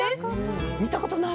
見たことない！